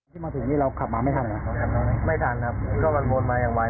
ที่มาถึงนี่เราขับมาไม่ทันนะครับไม่ทันครับก็มันวนมาอย่างไว